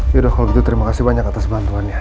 yaudah kalau gitu terima kasih banyak atas bantuan ya